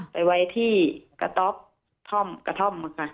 ไปไว้ที่กระต๊อบท่อมกระท่อมค่ะ